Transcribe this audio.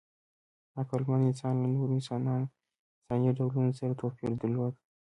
عقلمن انسانان له نورو انساني ډولونو سره توپیر درلود.